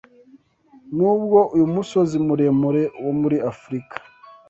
Nubwo uyu musozi muremure wo muri Afrika